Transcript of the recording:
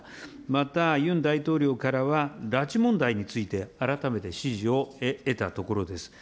またユン大統領からは、拉致問題について改めて支持を得たところです。